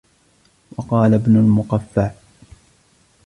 وَقَالَ ابْنُ الْمُقَفَّعِ